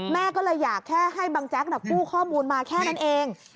แม่ก็เลยอยากแค่ให้บังแจ๊กกู้ข้อมูลมาแค่นั้นเอง